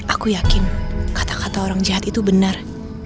aku yakin kata kata orang jahat itu benar